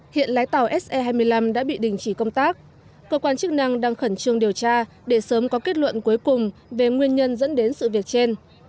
hiện lái tàu se hai mươi năm đã bị đình chỉ công tác cơ quan chức năng đang khẩn trương điều tra để sớm có kết luận cuối cùng về nguyên nhân dẫn đến sự việc trên